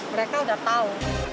mereka udah tahu